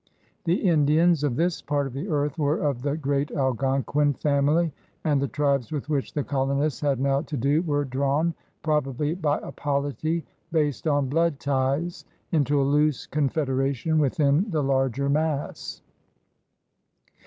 The Indians of this part of the earth ware of the great Algonquin family, and the tribes with which the colonists had now to do were di;^wn, probably by a polity based on blood ties, into a loose con federation within the larger mass.